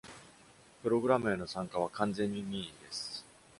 プログラムへの参加は完全に任意です。